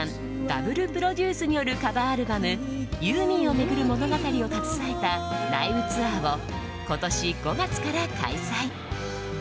ダブルプロデュースによるカバーアルバム「ユーミンをめぐる物語」を携えたライブツアーを今年５月から開催。